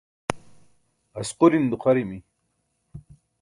asquriṅ duxarimi